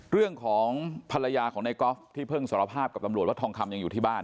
เรื่องของภรรยาของในกอล์ฟที่เพิ่งสารภาพกับตำรวจว่าทองคำยังอยู่ที่บ้าน